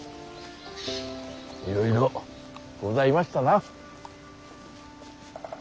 いろいろございましたな。